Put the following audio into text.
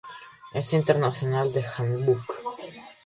Ein internationales Handbuch.